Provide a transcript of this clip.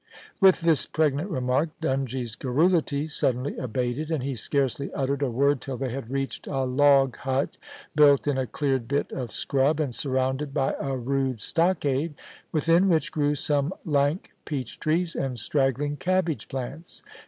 With this pregnant remark Dungie's garrulity suddenly abated, and he scarcely uttered a word till they had reached a log hut built in a cleared bit of scrub, and surrounded by a rude stockade, within which grew some lank peach trees and straggling cabbage plants.